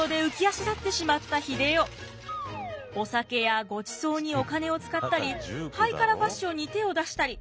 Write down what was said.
東京でお酒やごちそうにお金を使ったりハイカラファッションに手を出したり。